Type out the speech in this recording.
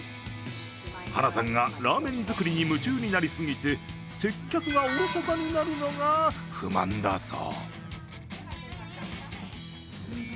晴名さんがラーメン作りに夢中になりすぎて接客がおろそかになるのが不満だそう。